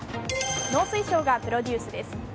農水省がプロデュースです。